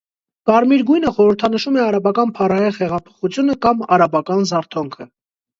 Կարմիր գույնը խորհրդանշում է արաբական փառահեղ հեղափոխությունը կամ «արաբական զարթոնքը»։